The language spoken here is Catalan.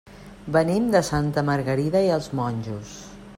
Venim de Santa Margarida i els Monjos.